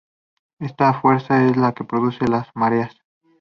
Esta fuerza es la que produce las mareas.